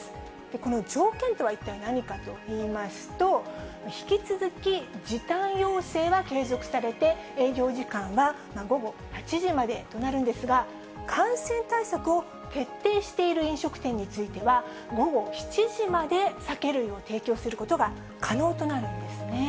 この条件とは一体何かといいますと、引き続き時短要請は継続されて営業時間は午後８時までとなるんですが、感染対策を徹底している飲食店については、午後７時まで酒類を提供することが可能となるんですね。